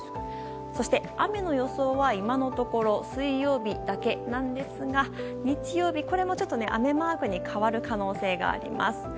そして、雨の予想は今のところ水曜日だけなんですが日曜日、これも雨マークに変わる可能性があります。